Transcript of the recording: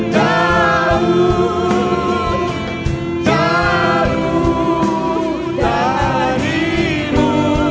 jauh jauh darimu